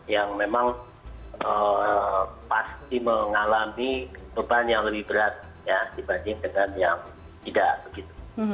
yang memang pasti mengalami beban yang lebih berat dibanding dengan yang tidak begitu